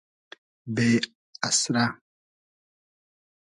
بې اسئرۂ